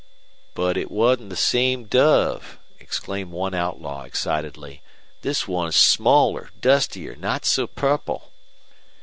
"But it hadn't the same dove!" exclaimed one outlaw, excitedly. "This 'n'is smaller, dustier, not so purple."